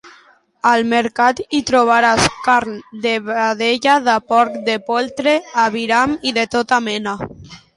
Al Mercat hi trobaràs carn de vedella, de porc, de poltre, aviram i de tota mena.